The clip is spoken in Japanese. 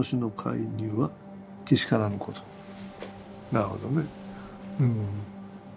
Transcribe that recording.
なるほどね。